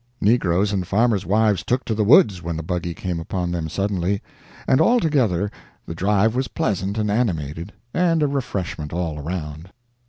Negroes and farmers' wives took to the woods when the buggy came upon them suddenly, and altogether the drive was pleasant and animated, and a refreshment all around.